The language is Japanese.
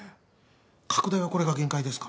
拡大はこれが限界ですか？